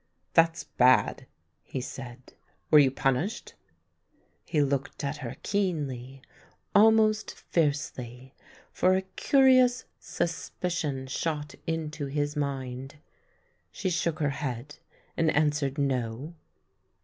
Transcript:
"That's bad," he said. "Were you punished?" He looked at her keenly, almost fiercely, for a curious suspicion shot into his mind. She shook her head and answered no.